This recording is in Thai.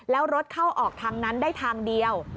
แล้วรถเข้าออกทางนั้นได้ทางเดียว